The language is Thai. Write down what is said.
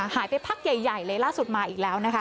หายไปพักใหญ่เลยล่าสุดมาอีกแล้ว